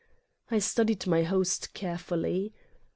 I studied my host carefully.